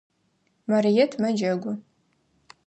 Марыет мэджэгу.